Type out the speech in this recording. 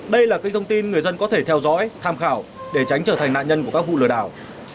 đây là kênh thông tin người dân có thể theo dõi tham khảo để tránh trở thành nạn nhân của các vụ lừa đảo